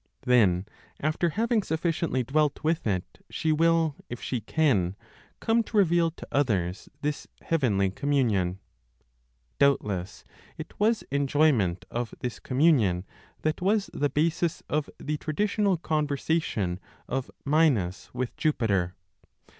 Then, after having sufficiently dwelt with it, she will, if she can, come to reveal to others this heavenly communion. Doubtless it was enjoyment of this communion that was the basis of the traditional conversation of Minos with Jupiter.